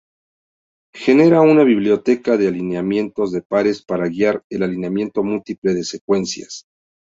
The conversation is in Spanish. Genera una biblioteca de alineamientos de pares para guiar el alineamiento múltiple de secuencias.